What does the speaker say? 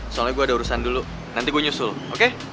soalnya gue ada urusan dulu nanti gue nyusul oke